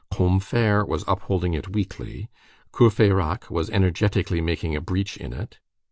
Combeferre was upholding it weakly. Courfeyrac was energetically making a breach in it.